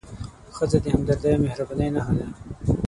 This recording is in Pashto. ښځه د همدردۍ او مهربانۍ نښه ده.